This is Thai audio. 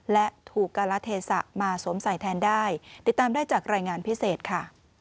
และถูกการละเทศะมาสวมใส่แทนได้ติดตามได้จากรายงานพิเศษค่ะ